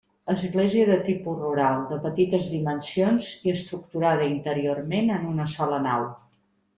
Església de tipus rural, de petites dimensions i estructurada interiorment en una sola nau.